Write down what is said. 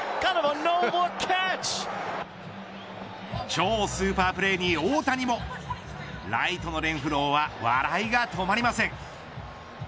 超スーパープレーに大谷もライトのレンフローは笑いが止まりません。